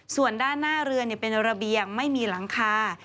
ส่วนด้านหน้าเรือเป็นระเบียงไม่มีหลังคา